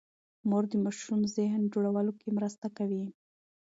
مور د ماشوم ذهن جوړولو کې مرسته کوي.